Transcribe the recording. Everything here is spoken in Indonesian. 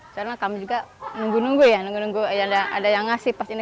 karena kami juga nunggu nunggu ya ada yang ngasih pas ini